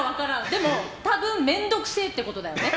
でも多分面倒くせえってことだよね。